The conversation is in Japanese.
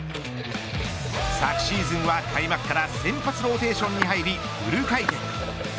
昨シーズンは開幕から先発ローテーションに入りフル回転。